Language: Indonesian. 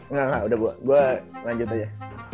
engga engga udah gue lanjut aja